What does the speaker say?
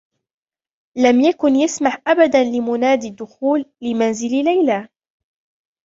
لم يكن يُسمح أبدا لمنّاد الدّخول لمنزل ليلى.